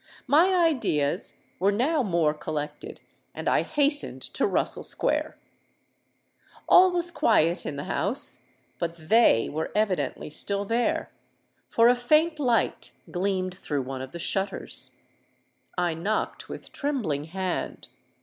My ideas were now more collected; and I hastened to Russel Square. All was quiet in the house: but they were evidently still there—for a faint light gleamed through one of the shutters. I knocked with trembling hand.